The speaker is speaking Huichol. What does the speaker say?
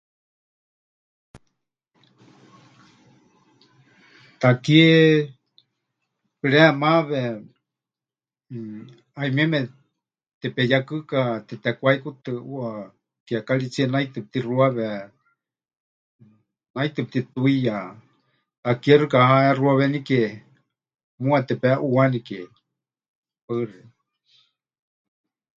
Takie pɨremawe, mmm, ˀayumieme tepeyekɨka tetekwaikutɨ ʼuuwa kiekaritsíe naitɨ pɨtixuawe, naitɨ pɨtituiya, takie xɨka ha hexuawenike, muuwa tepeʼuuwanikeyu. Paɨ xeikɨ́a.